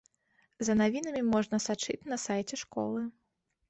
За навінамі можна сачыць на сайце школы.